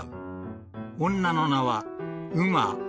［女の名は］